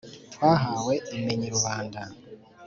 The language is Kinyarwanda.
twahawe imenyi rubanda,